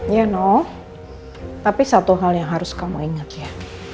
ya no tapi satu hal yang harus kamu ingat ya